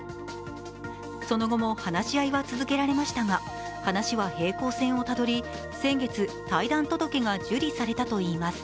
その後も、話し合いは続けられましたが、話は平行線をたどり、先月、退団届が受理されたといいます。